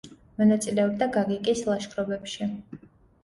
მონაწილეობდა გაგიკის ლაშქრობებში.